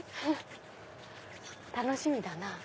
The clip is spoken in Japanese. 楽しみだなぁ。